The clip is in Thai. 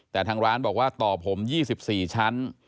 แต่ทางร้านบอกว่าต่อผม๒๔ชั้น